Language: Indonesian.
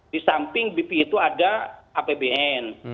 di samping bp itu ada apbn